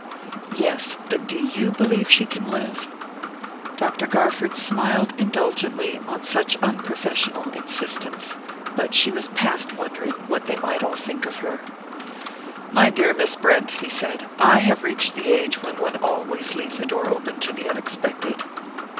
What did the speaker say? "Yes: but do you believe she can live ?" Dr. Garford smiled indulgently on such unprofessional insistence; but she was past wondering what they must all think of her. "My dear Miss Brent," he said, "I have reached the age when one always leaves a door open to the unexpected."